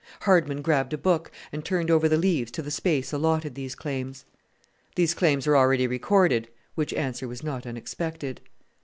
Hardman grabbed a book and turned over the leaves to the space allotted these claims. "These claims are already recorded," which answer was not unexpected.